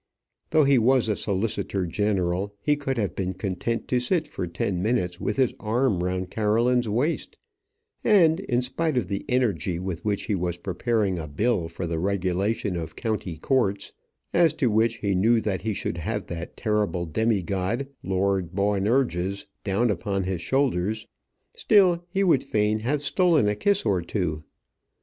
Though he was a solicitor general, he could have been content to sit for ten minutes with his arm round Caroline's waist; and in spite of the energy with which he was preparing a bill for the regulation of County Courts, as to which he knew that he should have that terrible demi god, Lord Boanerges, down upon his shoulders still he would fain have stolen a kiss or two.